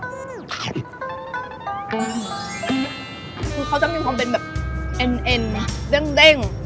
คือเขาจะมีความเป็นแบบเอ็นนะเด้ง